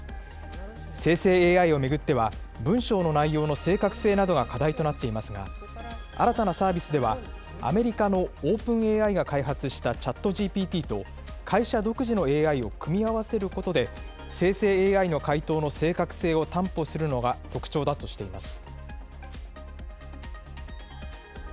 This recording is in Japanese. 生成ＡＩを巡っては、文章の内容の正確性などが課題となっていますが、新たなサービスでは、アメリカのオープンＡＩが開発したＣｈａｔＧＰＴと会社独自のＡＩを組み合わせることで、生成ＡＩの回答の正確性を担保するのが特徴だとしています。